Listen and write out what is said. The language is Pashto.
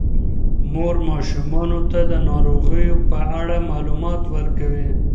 مور ماشومانو ته د ناروغیو په اړه معلومات ورکوي.